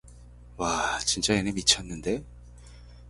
와 진짜 얘내 미쳤는데?